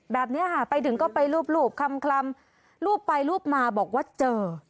แบบนี้ค่ะไปถึงก็ไปรูปคลำรูปไปรูปมาบอกว่าเจอ